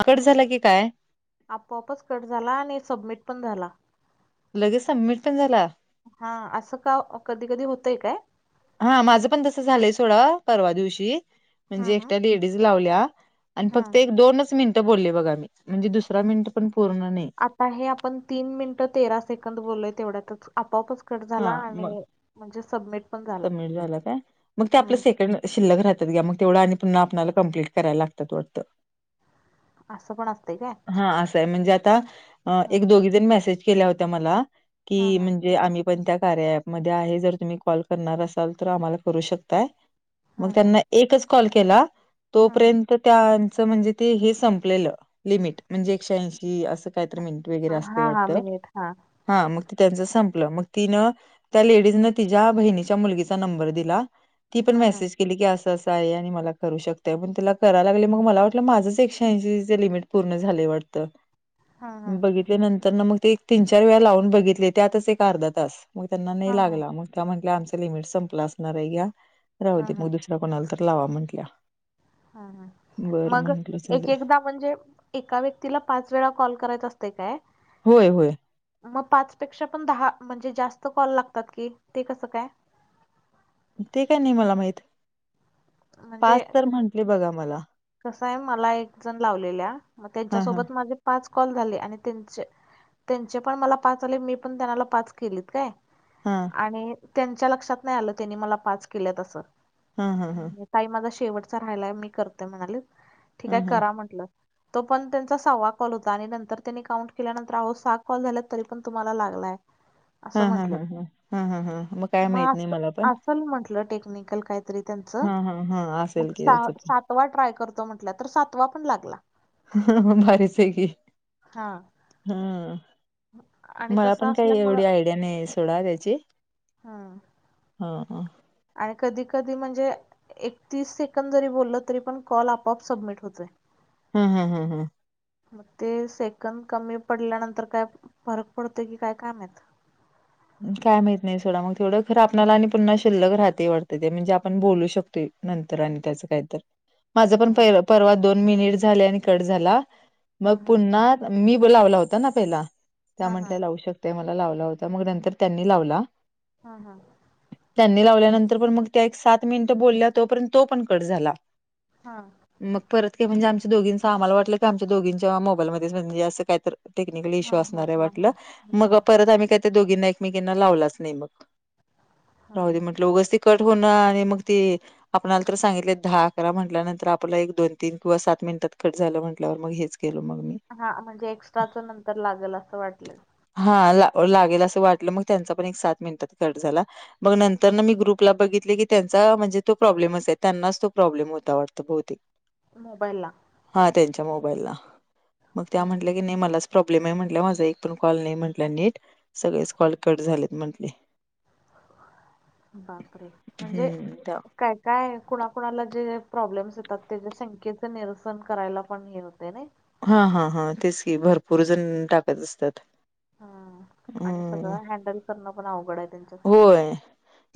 आ cut झाला की काय? आपोआपच कट झाला आणि सबमिट पण झाला. लगेच सबमिट पण झाला? हा असं का, कधी कधी होतंय काय? हा माझं पण तस झालंय सोडा परवा दिवशी, हम्म म्हणजे हम्म. एकट्या लेडीज लावल्या आणि हा. फक्त एक- दोनच मिनिटं बोलली बघा मी. म्हणजे दुसरा मिनटं पण पूर्ण नाही. आता हे आपण तीन मिनिटं तेरा सेकंद बोललोय. तेवढ्यातच, आपोआपच कट झाला हा मग आणि म्हणजे सबमिट पण झाला. सबमिट झालं काय? मग ते आपलं हम्म सेकंड शिल्लक राहतात घ्या. मग तेवढं आणि पुन्हा आपल्याला कंप्लीट करायला लागतात वाटतं. आसं पण असतय काय? हा असंय. म्हणजे आता अ हम्म. एक - दोघीजणी मेसेज केल्या होत्या, मला. हा की हा म्हणजे आम्ही पण त्या कार्य ॲपमध्ये आहे. जर तुम्ही कॉल करणार असाल, तर आम्हाला करू शकताय. मग हा हा. त्यांना एकच कॉल केला. तोपर्यंत तर त्यांचं म्हणजे ते हे संपलेलं. लिमिट. म्हणजे एकशे ऐंशी, असं कायतरी मिनट वगैरे असतय हा हा वाटतं. मिनिट हा. हा मग ती त्यांच संपलं. मग तिन, त्या लेडीजन तिज्या बहिणी च्या मुलगीचा नंबर दिला. ती पण हा हा मेसेज केली की असं -असं आहे. आणि मला करू शकताय. पण त्याला कराय लागले मग मला वाटलं, माझंच एकशे ऐंशी ज लिमिट पूर्ण झालंय, वाटतं. हा हा. बघितल्या नंतर ना मग, ते एक तीन -चार वेळा लावून बघितले. त्यातच एक अर्धा तास मग त्यांना हा नाही हा. लागला. मग त्या म्हटल्या, आमचं लिमिट संपलं असणारय घ्या. राहु हा हा दु कोणाला तर लावा म्हटल्या. हा, ह. मग येक- चालेल येकदा म्हणजे, एका व्यक्तीला, पाच वेळा कॉल करायचा असतंय काय? व्हय - व्हय. मग पाच पेक्षा पण दहा, म्हणजे जास्त कॉल लागतात की. ते कसं काय? ते काय नाही मला माहित. पाच तर म्हंटली बघा मला. कसाय, मला एक जण लावलेल्या. मग हां हां त्यांच्यासोबत माझे पाच कॉल झाले. आणि त्यांचे त्यांचे पण मला पाच आले. मी पण त्यांनाला पाच केलेत. काय? हं. आणि त्यांच्या लक्षात नाही आलं. त्यांनी मला पाच केल्यात अस़ं. ह, ह, ह. ताई माझा शेवटचा राहालाय. मी करतेय म्हणाली. ठीक हाय हां करा म्हंटलं. तो पण त्यांचा सहावा कॉल होता. आणि नंतर त्यांनी काउंट केल्यानंतर. अहो, सहा कॉल झाल्यात तरी पण तुम्हाला लागलाय. [inaudible] ह, ह, ह, ह. ह, ह, ह मग काय माहीत नाही, मला पण. असल म्हंटलं टेक्निकल काय तरी त्याचं. हां हां हां असेल मग की सहा त्याचं -सात सातवा ट्राय करतो म्हटल्या तर. सातवा पण लागला. ह [unintelligible] भारीचय की. हा ह. आणि मला तसं पण काही असल्यामुळं एवढी आयडिया नाही. सोडा त्याची. हा, हा. आ कधी- कधी म्हणजे एकतीस सेकंद जरी बोललं. तरी पण कॉल, आपोआप सबमिट होतोय. ह, ह, ह, हं. मग ते सेकंद कमी पडल्यानंतर. काय फरक पडतोय, कि काय माहीत. काय माहीत नाही, सोडा. मग तेवढं खर आपल्याला आणि पुन्हा शिल्लक राहतय, वाटतं ते. म्हणजे आपण बोलू शक ते नंतर आणि त्याचं कायतर. माझा पण हा पय परवा. दोन मिनिट झाले, आणि कट झाला. मग हा पुन्हा मी ब लावला होता ना, पहिला. त्या हा हा म्हंटल्या लावू शकते मला, लावला होता. मग नंतर त्यांनी लावला. हा, हा. त्यांनी लावल्यानंतर, पण मग त्या एक सात मिनिटं बोलल्या. तोपर्यंत तो पण कट झाला. हा. मग परत काय म्हणजे, आमच्या दोघींच आम्हाला वाटलं की, आमच्या दोघींच्या मोबाईलमध्येच. म्हणजे असं काय तर टेक्निकल हा इश्यू हा असणारय हा वाटलं. हा. मग परत आम्ही काही त्या दोघींना एकमेकांना लावलाच नाही बघ. हा राहुदे म्हटलं उगच ती कट होण आणि मग ते. आपल्याला तर सांगितले दहा अकरा म्हटल्यानंतर आपल्याला एक दोन तीन किंवा सात मिनिटात खट झालं म्हटल्यावर मग हेच. केलं मग मी. हा म्हणजे एक्स्ट्राचं नंतर लागेल असं वाटलं. हा ला लागेल असं वाटलं मग त्यांचा पण एक सात मिनिटात कट झाला. मग नंतर ना मी ग्रुपला बघितले की त्यांचा म्हणजे तो प्रॉब्लेमच आहे त्यांनाच तो प्रॉब्लेम होता वाटत भुतेक. मोबाईल ला. हा त्यांच्या मोबाईलला मग त्या हम्म म्हटल्या की नाही मलाच प्रॉब्लेम आहे म्हटलं माझा एक. एक कॉल नाही म्हट नीट सगळेच कॉल कट झाले म्हटले. बापरे म्हणजे. हम्म त्या- काय काय कुणाकुणाला जे प्रॉब्लेम्स येतात त्याच्या शंख्येचे निरसन करायला पण हे होते ना. हा हा हा तेच की भरपूर जण टाकत असतात. हा आणि हम्म सगळं हँडल करणं पण अवघड आहे त्यांच. होय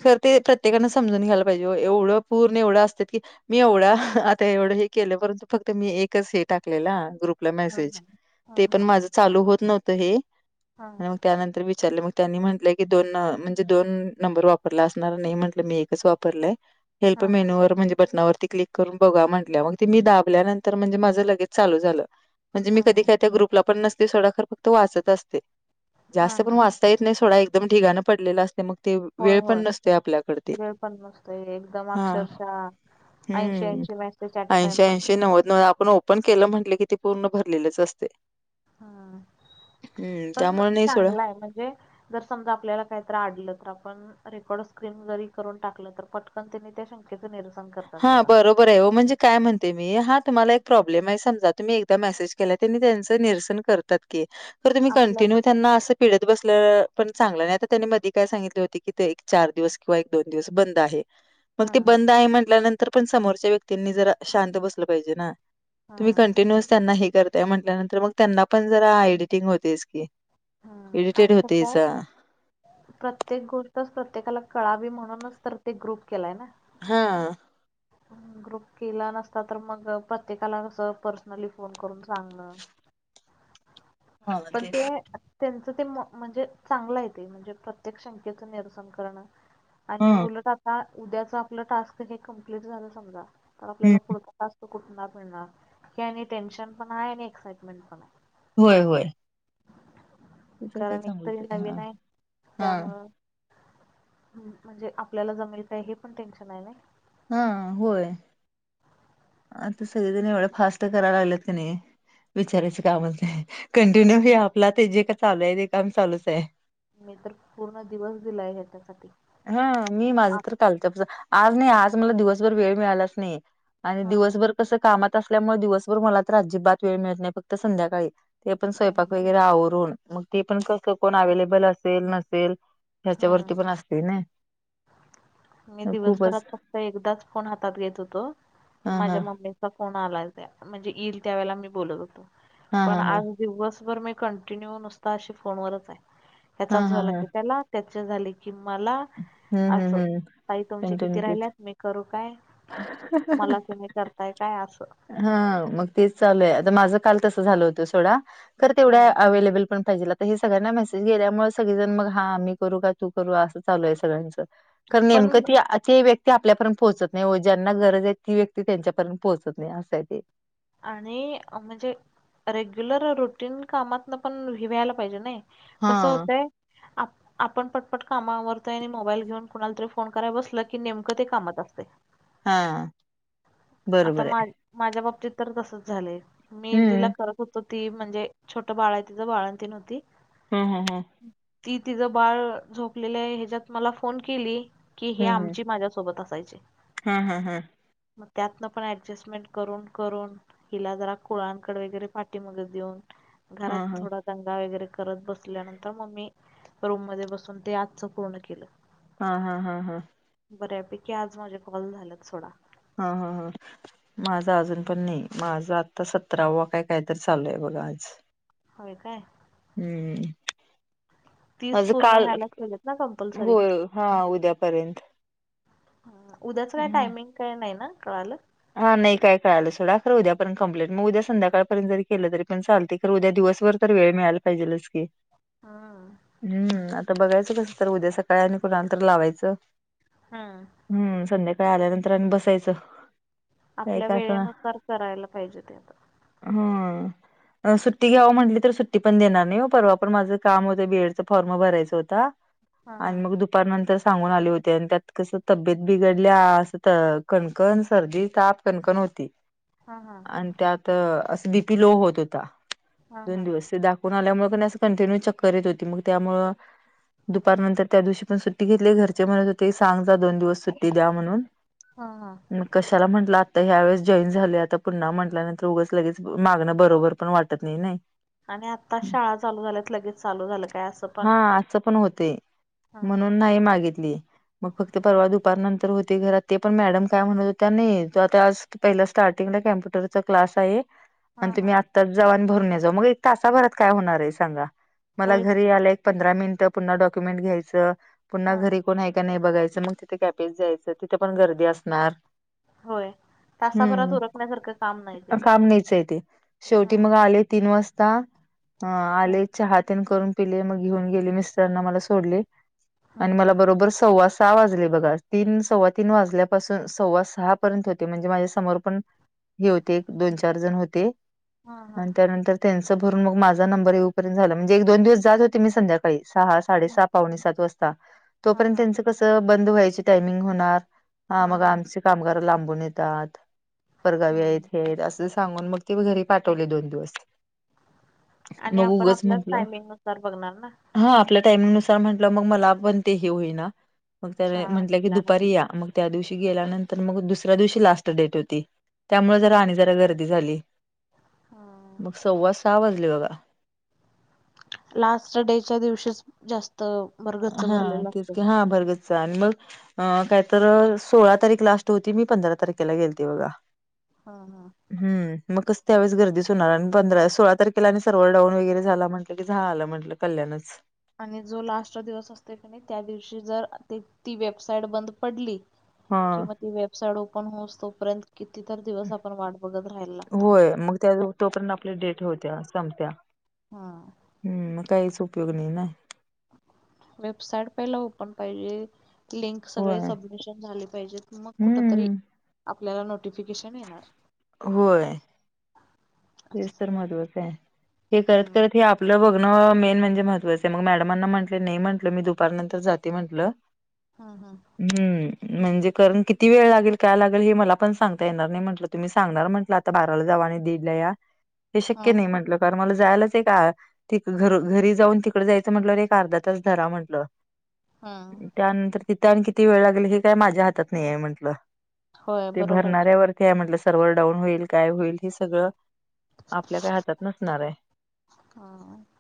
खर ते प्रत्येकाना समजून घ्यायला पाहिजे एवढं पूर्ण एवढं असत की. मी एवढं आता एवढं हे केलं परंतु फक्त मी एकच हे टाकलेलं ग्रुप. ग्रुपला मेज हां हां. हां ते पण हां. माझ चालू होत नव्हतं हे हां. आणि मग. त्यानंतर विचारले मग त्यांनी म्हटलंय की दोन. म्हजे दोन नंबर वापरला असणार नाही म्हटलं मी एकच वापरलंय. हेल्प हां हां. मेन्यूवर म्हणजे बटनावरती क्लिक. करून बघा म्हटल्या मग ते मी दाबल्यानंतर म्हणजे माझं लगेच चालू झालं. म्हणजे मी हां कधी हां. काय त्या ग्रुपला पण नसते सोडंखर फक्त वाचत असते हां जास्त पण हां. वाचते. येत नाही सोडा एकदम दिगाना पडलेला असते मग. ते होय, वेळ पण होय. नसते आपल्याकड वेळ पण नसतो एकदम हा. अक्षरशः ऐंशी हम्म ऐंशी मेसेज ॲट अ टाइम ऐंशी पडतात. ऐंशी नव्वद. आपण ओपन केलं म्हट की ते पूर्ण भरलेलेच असते. ह हं, पण त्यामुळे नाही सोडा. चांगलंय म्हणजे. जर समजा आपल्याला काहीत आडलं तर आपण. रेकॉर्ड स्क्रीन जरी करून टाकलं तर पटकन त्यांनी त्या शंकेच निरसन. करतात हा बघा. बरोबर. बरं आहे हो म्हणजे काय म्हणते मी हा तुम्हाला एक प्रॉब्लेम आहे समजा तुम्ही एकदा मेसेज केला त्यांनी त्यांचं निरसन करत. पण तुम्ही कनटीनुव आपल्याकड त्यांना असा. पिढत बसलं पण चांगलं नाही आता त्यांनी मधी काय सांगितले होती कि ते एक चार दिवस किंवा. दोन दिवस बंद आहे. मग ते हां. बंद आहे म्हटल्यानंतर पण समोरच्या व्यक्तींनी जरा शांत बसलं पाहिजे ना. तुम्ही हां. कंटिन्युअस त्यांना हे करताय म्हटल्यानंतर मग त्यांना पण जरा एडिटिंग होतेस की. हम्म इरिटेट आणि कसं होते आहे. सा प्रत्येक गोष्टच प्रत्येकाला कळावी म्हणूनच तर ते ग्रुप केलाय ना. हा. ग्रुप केला नसता तर मग प्रत्येकाला कसं पर्सनली फोन करून सांगण. पण ते. त्यांचं ते मो म्हणजे चांगलं आहे ते म्हणजे प्रत्येक शंक्येचं निरसन करणं. हा आणि उलट आता उद्याच आपलं टास्क हे कमप्लीट झालं समजा तर हम्म आपल्याला पुढचा टास्क. त कुठु मीळणार हे आणि टेन्शन पण आहे आणि एक्साइटमेंट पण आहे. होय होय. ते तर काय कारण एकतरी चांगलंच आहे हा नवीन हा त्यामुळं. ह् म्हणजे आपल्याला जमेल का हे पण टेन्शन आहे ना. हा होय. सगळेजण एवढं फास्ट कराव लागलेत क नाही. विचारायचं कामच नाही कंटिन्यू हे आपला ते जे काय चालू आहे ते काम चालूच आहे. मी तर पूर्ण दिवस दिलाय त्यासाठी. हा मी माझं तर लत आज नाही आज मला दिवसभर वेळ मिळालाच नाही. आणि हम्म दिवसभर कसं कामात असल्यामुळे दिवसभर मला तर अजिबात वेळ मिळत नाही फक्त संध्याकाळी ते पण स्वयंपाक हम्म वगैरे आवरून मग ते पण कसं कोण अवे्लेबल असेल नसेल. ह्याच्या हम्म वरती पण असते ना मी दिवसभरात खूपच फक्त एकदाच फोन हातात घेत होतो हा हा माझ्या मम्मी कोण आलाय त्या म्हणजे येईल त्या वेळेला मी बोलत होतो हा पण हा हा आज दिवसभर मी कंटिन्यू नुसता अशी फोनवरच आहे हा हचा हा झाला हा की त्याला त्या झाले की मला हम्म अस हम्म हम्म ताई तुमचे किती कंटिन्यू राहिल्या मी करू काय मला तुम्ही करताय काय असं हा मग तेच चालू आहे आता माझं काल तसं झालं होत सोडा तर तेवढ्या हम्म अवेलेबल पण पाहिजे तर हे सगळ्यांना मेसेज गेल्यामुळे सगळेजण मग हा मी करू का तू करू असं चालू आहे सगळ्यांचं कारण नेमकं पण ती व्यक्ती आपल्यापर्यंत पोहोचत नाही व ज्यांना गरज आहे ती व्यक्ती त्यांच्यापर्यंत पोहोचत नाही असंय ते आणि म्हणजे रेग्युलर रुटीन कामातन पण वि व्यायला पाहिजे नाही हा कसं होतय आप आपण पटपट कामावरतोय आणि मोबाईल घेऊन कुणाला तरी फोन करायला बसल की नेमकं ते कामात असते हा आता बरोबर मा आहे माझ्या बाबतीत तर तसच झालंय. मी जिला हम्म करत होतो ती म्हणजे छोटं बाळ आहे तिथ बाळणतीन होती. हम हम हं ती तिचं बाळ झोपलेलं आहे ह्याच्यात मला फोन केली. की हे हम्म आमची माझ्यासोबत असायचे हम्म हम्म हा हा हा मग त्यातनं पण ॲडजस्टमेंट करून करून हिला जरा कुळांकड वगैरे पाठी मग देऊन घरात हा हा थोडा दंगा वगैरे करत बसल्यानंतर मग् ममी रूम मध्ये बसून ते आजचं पूर्ण केलं हा हा हा हां. बर्यापैकी आज माझे कॉल झालात सोडा हा हा हा माझा अजून पण नाही माझा आता सतरावा काय कायतरी चालू आहे बघा आज होय काय हम्म तीस माझं पूर्ण काल व्हायलाच मिळत ना कंपल्सरी होय हा उद्यापर्यंत उद्याच काय टायमिंग काही नाही ना कळालं. हा नाही काय कळायलं सोडा खरं उद्यापर्य क्प्लेट मग उद्या संध्याकाळपर्यंत जरी केल तरी पण चाल तर उद्या दिवसभर तर वेळ मिळाला पाहिजेलच की. हा. हम्म आता बघायचं कसं तर उद्या सकाळी आणि कुणाला तर लावायचं. हम् हम्म संध्याकाळी आल्यानंतर आणि बसायचं काय आपल्या का असं वेळेनुसार करायला पाहिजे ते आ हा सुट्टी घ्यावं म्हटली तर सुट्टी पण देणार नाही परवा पण माझं काम होतं बीएड च फॉर्म भरायचं होता हा हा आणि मग दु नंतर सांगून आले होते आणि त्यात कस तब्येत बिघडल्या अस कणकण सर्दी ताप कणकण होती हा हा आणि त्यात असं बीपी लो होत होता हा हा दोन दिवस ते दाखवून आल्यामुळे पण अस कंटिन्यू चक्कर येत होती मग त्यामुळ दुपारनंतर त्या दिवशी पण सुट्टी घेतली घरचे म्हणत होते सांग जा दोन दिवस सुट्टी द्या म्हणून हा हा कशाला म्हटलं आता ह्यावेेस जॉईन झाले आता पुन्हा म्हटल्यानंतर उगंच लगेच मागणं बरोबर पण वाटत नाही नाही आणि आता शाळा चालू झाल्यात लगेच चालू झालं काय असं पण हा आजच पण होते हा म्हणून नाही मागितली. मग फक्त हा परवा दुपार नंतर होते घरात ते पण मॅडम काय म्हणत होत्या नाही. तो आता आज पहिला स्टार्टिंगला कम्प्युटरचा क्लास आहे. आणि हा तुम्ही हा आ तर जावा आणि भरुन या जावा. मग एक तासाभरात काय होणार आहे सांगा. मला होयच घरी की. यायला एक पंधरा मिनिटं पुन्हा डॉक्युमेंट घ्यायचं. पुन्हा हा. घरी कोण आहे का नाही बघायचं मग तिथं कॅपेत जायचं. तिथे पण गर्दी असणार. होय. तासाभरात हम्म, उरकण्यासारखं काम नाही ते. काम नाहीच आहे ते शेवटी हा मग आले तीन वाजता अ हा आले चहा तेन करून पिले मग घेऊन गेले मिस्टरांना मला सोडले. हा आणि हा मला बरोबर सव्वा सहा वाजले बघा. तीन सव्वा तीन वाजल्या पासून सव्वा सहा पर्यंत होते. म्हणजे माझ्या समोर पण हे होते दोन चार जण होते. हा हा आणि त्यानंतर त्यांचं भरून मग माझा नंबर येऊपर्यंत झाला. म्हणजे एक दोन दिवस जात होते. मी संध्या काळी सहा, साडे हा सहा, पावणी सात वाजता हा तोपर्यंत त्यांच कस बंद व्हायची टायमिंग होणार. हा मग आमचे कामगार लांबून येतात. पर गावी आहेत हा. हे आहेत असं. सांगून मग ते घरी पाठवले दोन दिवस. आणि मग आपण उगच आपल्याच म्हटलं टायमिंग नुसार बघणार ना. हा आपल्या टाइमीगनुसार म्हंटलं मग मला पण ते हे होईना. मग त्या शाळा म्हटलं की दुपारी सुटल्यानंतर. या. मग त्या दिवशी गेल्यानंतर मग दुसऱ्या दिवशी लास्ट डेट होती. त्यामुळे हा जरा आणि जरा गर्दी झाली. हा. मग सव्वा सहा वाजले बघा. लास्ट डेच्या दिवशीच जास्त भरगच्च हा भरलेलं तेच असतय. की हा भरगच्च. आणि मग अ काय तर सोळा तारीख लास्ट होती. मी पंधरा तारखेला गेलते बघा. हा हा. हम् मग कस त्यावेळेस गर्दीच होणार. आणि पंधरा सोळा तारखेला आणि सर्वर डाऊन वगैरे झाला म्हटलं, की झालं म्हटलं, कल्याणच. आणि जो लास्ट दिवस असतोय कणी त्या दिवशी जर ते ती वेबसाइट बंद पडली. हा किंवा ती वेबसाईट ओपन होवूस तोपर्यंत कितीतर दिवस आपण वाट बघत राहायला लागतय. होय मग त्या तोपर्यंत आपली डेट होत्या संपत्या. हा. हम्म मग काहीच उपयोग नाही ना. वेबसाईट पहिला ओपन पाहिजे. लिंक सगळे होय सबमिशन झाले पाहिजेत. मग कुठ तरी हम्म. आपल्याला नोटिफिकेशन येणार. होय. तेच असं तर सगळं महत्त्वाचं आहे हे करत हम्म करत हे आप लं बघणं मेन म्हणजे महत्वाचं आहे. मग मॅडमांना म्हटले नाही म्हटलं मी दुपारनंतर जाते म्हटलं. हा हा. हम्म, म्हणजे कारण किती वेळ लागेल, काय लागेल हे मला पण सांगता येणार नाही म्हटलं तुम्ही सांगणार म्हटलं आता बाराला जावा आणि दीड ला या. हे शक्य नाही. हम्म म्हंटलं कारण मला जायलाच एक तिक घरु घरी जाऊन तिकडं जायचं. म्हटलं, एक अर्धा तास धरा म्हटलं. हा. त्यानंतर तिथे आणि किती वेळ लागल. हे काय माझ्या हातात नाही आहे म्हंटलं, होय ते बरोबर आहे की भरणाऱ्यावर हे आहे म्हटलं सर्व्हर डाऊन होईल काय होईल हे सगळं आपल्या काय हातात नसणार आहे. हा.